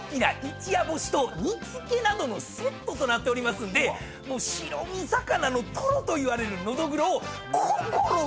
一夜干しと煮付けなどのセットとなっておりますんで白身魚のトロといわれるのどぐろを心行くまで堪能してください。